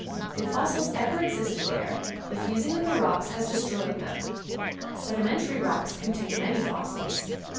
If fossils ever existed there, the fusing of the rocks has destroyed them. Sedimentary rocks contain many fossils.